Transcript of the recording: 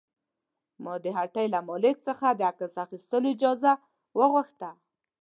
ما د هټۍ له مالک څخه د عکس اخیستلو اجازه وغوښته.